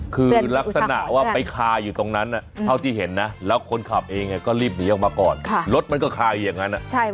คือลักษณะว่าไปคาอยู่ตรงนั้นเท่าที่เห็นนะแล้วคนขับเองก็รีบหนีออกมาก่อนรถมันก็คาอยู่อย่างนั้น